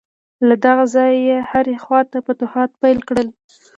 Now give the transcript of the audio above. له دغه ځایه یې هرې خواته فتوحات پیل کړل.